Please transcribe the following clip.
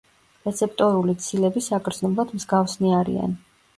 რეცეპტორული ცილები საგრძნობლად მსგავსნი არიან.